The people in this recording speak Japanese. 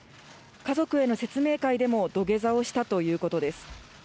家族への説明会でも土下座をしたということです。